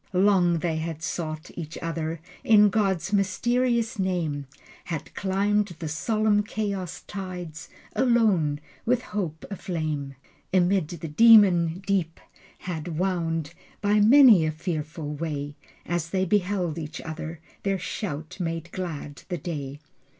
Long they had sought each other In God's mysterious name, Had climbed the solemn chaos tides Alone, with hope aflame: Amid the demon deeps had wound By many a fearful way. As they beheld each other Their shout made glad the day.